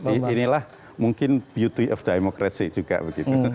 inilah mungkin beauty of democracy juga begitu